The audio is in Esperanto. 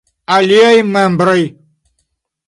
Aliaj membroj.